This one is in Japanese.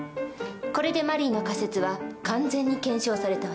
これでマリーの仮説は完全に検証されたわね。